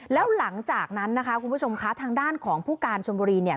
แล้วหลังจากนั้นนะคะคุณผู้ชมคะทางด้านของผู้การชนบุรีเนี่ย